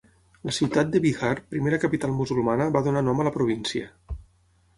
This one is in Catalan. La ciutat de Bihar, primera capital musulmana va donar nom a la província.